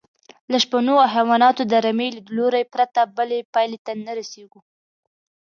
له شپنو او حیواناتو د رمې لیدلوري پرته بلې پایلې ته نه رسېږو.